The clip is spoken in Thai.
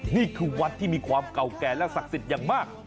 นี่คือวัดที่มีความเก่าแก่และศักดิ์สิทธิ์อย่างมาก